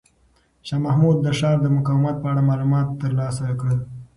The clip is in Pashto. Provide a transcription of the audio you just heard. شاه محمود د ښار د مقاومت په اړه معلومات ترلاسه کړل.